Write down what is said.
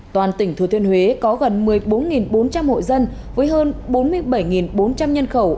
toàn tỉnh thừa thiên huế có gần một mươi bốn bốn trăm linh hộ dân với hơn bốn mươi bảy bốn trăm linh nhân khẩu